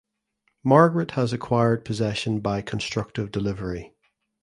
Margaret has acquired possession by constructive delivery.